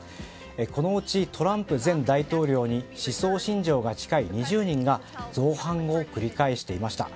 このうち、トランプ前大統領に思想・信条が近い２０人が造反を繰り返していました。